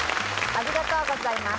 ありがとうございます。